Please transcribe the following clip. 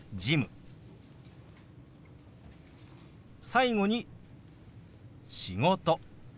最後に「仕事」。